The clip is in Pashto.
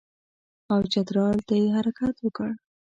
او چترال ته یې حرکت وکړ.